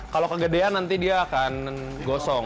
kalau kegedean nanti dia akan gosong